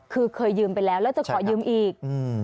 คือเคยยืมไปแล้วแล้วจะขอยืมอีก